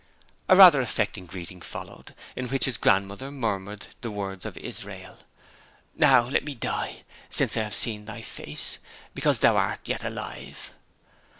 A rather affecting greeting followed, in which his grandmother murmured the words of Israel: '"Now let me die, since I have seen thy face, because thou art yet alive."'